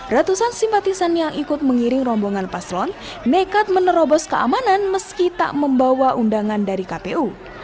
ratusan simpatisan yang ikut mengiring rombongan paslon nekat menerobos keamanan meski tak membawa undangan dari kpu